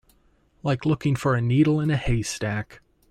Like looking for a needle in a haystack.